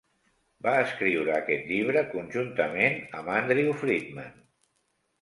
Va escriure aquest llibre conjuntament amb Andrew Friedman.